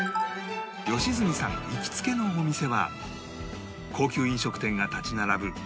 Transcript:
良純さん行きつけのお店は高級飲食店が立ち並ぶ